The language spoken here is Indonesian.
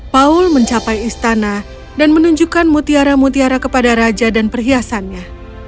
paul mencapai istana dan menunjukkan mutiara mutiara kepada raja dan perhiasannya